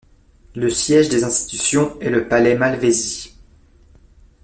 Le siège des institutions est le palais Malvezzi.